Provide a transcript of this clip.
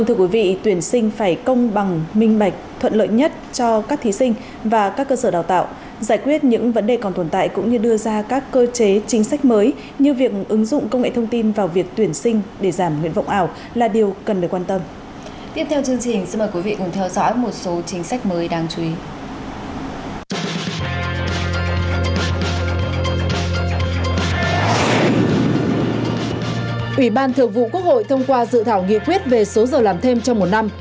ủy ban thượng vụ quốc hội thông qua dự thảo nghị quyết về số giờ làm thêm trong một năm